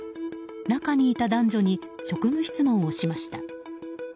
中にいた男女に職務質問をしました。